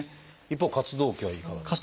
一方活動期はいかがですか？